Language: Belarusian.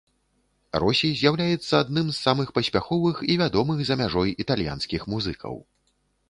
Росі з'яўляецца адным з самых паспяховых і вядомых за мяжой італьянскіх музыкаў.